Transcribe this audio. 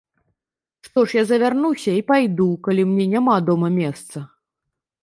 Што ж, я завярнуся і пайду, калі мне няма дома месца.